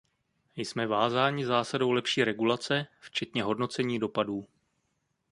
Jsme vázáni zásadou lepší regulace, včetně hodnocení dopadů.